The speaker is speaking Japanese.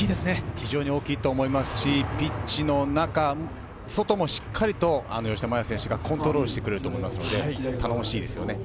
非常に大きいと思いますし、ピッチの中や外もしっかりと吉田麻也選手がコントロールしてくれると思いますので頼もしいですね。